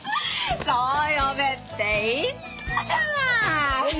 そう呼べって言ったじゃない。